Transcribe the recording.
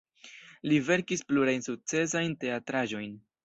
Li verkis plurajn sukcesajn teatraĵojn.